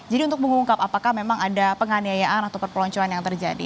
jadi untuk mengungkap apakah memang ada penganiayaan atau perpeloncoan yang terjadi